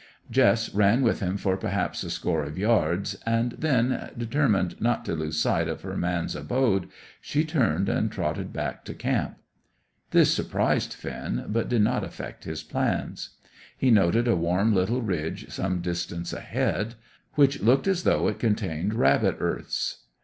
Jess ran with him for perhaps a score of yards, and then, determined not to lose sight of her man's abode, she turned and trotted back to camp. This surprised Finn, but did not affect his plans. He noted a warm little ridge some distance ahead, which looked as though it contained rabbit earths.